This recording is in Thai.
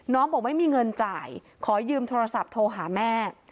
บอกไม่มีเงินจ่ายขอยืมโทรศัพท์โทรหาแม่